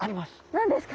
何ですか？